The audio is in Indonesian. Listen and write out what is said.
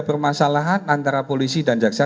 permasalahan antara polisi dan jaksa